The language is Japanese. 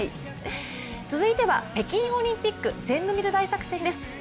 続いては「北京オリンピックぜんぶ見る大作戦」です。